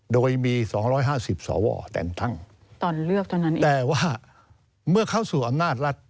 โดยมี๒๕๐สวแต่งทั้งแต่ว่าเมื่อเข้าสู่อำนาจรัฐ